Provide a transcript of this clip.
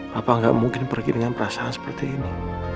bapak gak mungkin pergi dengan perasaan seperti ini